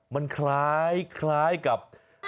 มันคล้ายกับ